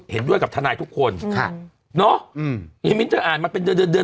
เห็นด้วยกับทนายทุกคนค่ะเนอะอืมอีมิ้นเธออ่านมาเป็นเดือนเดือนเดือน